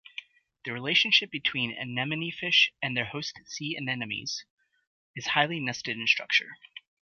The relationship between anemonefish and their host sea anemones is highly nested in structure.